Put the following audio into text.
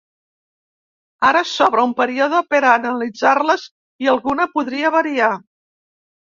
Ara s’obre un període per a analitzar-les i alguna podria variar.